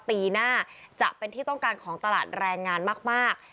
ปีหน้าจะเป็นที่ต้องการของตลาดแรงงานมาก